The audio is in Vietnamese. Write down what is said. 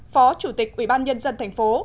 phó chủ tịch ủy ban nhân dân thành phố